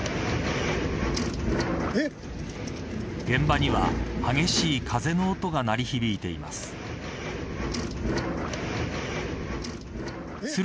現場には、激しい風の音が鳴り響いています。